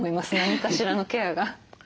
何かしらのケアが。